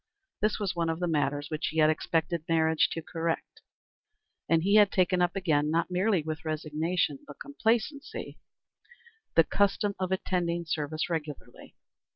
This was one of the matters which he had expected marriage to correct, and he had taken up again, not merely with resignation but complacency, the custom of attending service regularly.